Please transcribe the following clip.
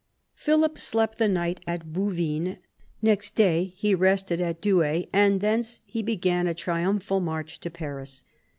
Philip slept the night at Bouvines; next day he rested at Douai, and thence he began a triumphal march to Paris.